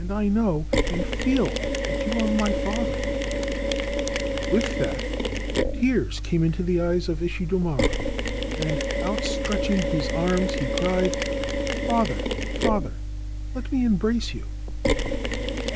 I know and feel that you are my father !' With that, tears came into the eyes of Ishidomaro, and, outstretching his arms, he cried, ' Father, father, let me embrace you